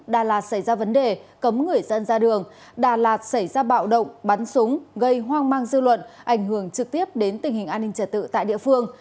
đà lạt xảy ra vấn đề cấm người dân ra đường đà lạt xảy ra bạo động bắn súng gây hoang mang dư luận ảnh hưởng trực tiếp đến tình hình an ninh trả tự tại địa phương